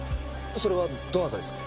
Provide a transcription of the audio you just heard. それはどなたですか？